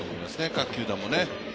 各球団も。